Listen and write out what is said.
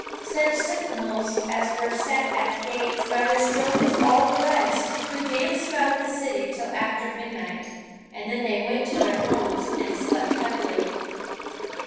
Such sentinels as were set at the gates got as drunk as all the rest, who danced about the city till after midnight, and then they went to their homes and slept heavily.